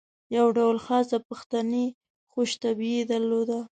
یو ډول خاصه پښتني خوش طبعي یې درلوده.